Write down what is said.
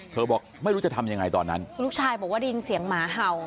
บอกไม่รู้จะทำยังไงตอนนั้นลูกชายบอกว่าได้ยินเสียงหมาเห่า